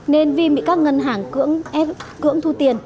nên vin bị các ngân hàng cưỡng thu tiền